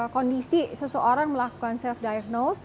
kondisi seseorang melakukan self diagnose